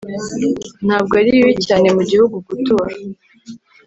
Ntabwo ari bibi cyane mu gihugu gutura